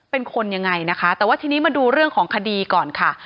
เป็นคนยังไงนะคะแต่ว่าทีนี้มาดูเรื่องของคดีก่อนค่ะ